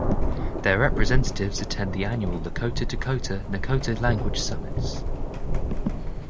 Their representatives attend the annual Lakota, Dakota, Nakota Language Summits.